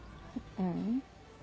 ううん。